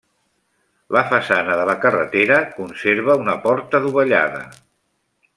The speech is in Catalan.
La façana de la carretera conserva una porta dovellada.